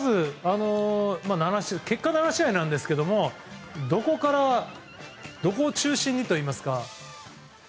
結果７試合ですがどこを中心にといいますか。